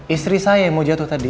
istri saya yang mau jatuh tadi